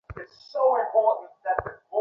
কাছে চাবি আছে?